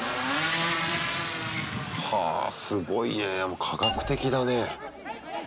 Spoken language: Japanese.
はぁすごいねぇ科学的だね。